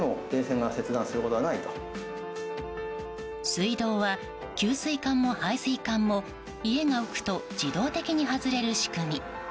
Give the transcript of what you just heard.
水道は、給水管も排水管も家が浮くと自動的に外れる仕組み。